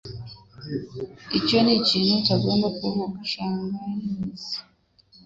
Icyo nikintu utagomba kuvuga. (shanghainese)